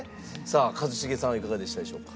さあ一茂さんいかがでしたでしょうか？